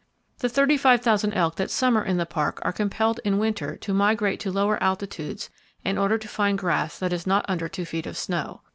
The 35,000 elk that summer in the Park are compelled in winter to migrate to lower altitudes in order to find grass that is not under two feet of snow.